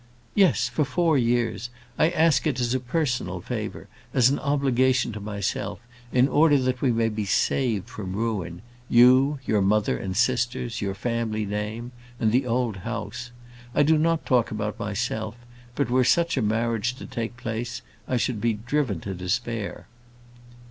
"Yes; for four years. I ask it as a personal favour; as an obligation to myself, in order that we may be saved from ruin; you, your mother, and sisters, your family name, and the old house. I do not talk about myself; but were such a marriage to take place, I should be driven to despair."